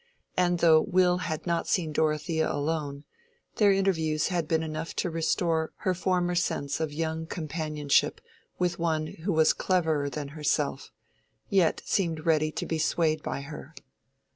And though Will had not seen Dorothea alone, their interviews had been enough to restore her former sense of young companionship with one who was cleverer than herself, yet seemed ready to be swayed by her.